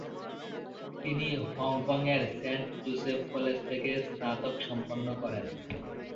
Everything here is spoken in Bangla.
তিনি হংকংয়ের সেন্ট জোসেফ কলেজ থেকে স্নাতক সম্পন্ন করেন।